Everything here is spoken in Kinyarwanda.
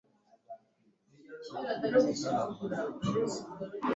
Ntabwo ntekereza ko nakoze spaghetti ihagije kubantu bose.